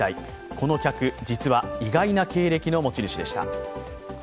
この客、実は意外な経歴の持ち主でした。